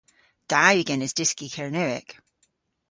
Da yw genes dyski Kernewek.